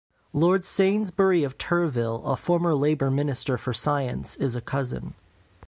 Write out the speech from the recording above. Lord Sainsbury of Turville, a former Labour Minister for Science, is a cousin.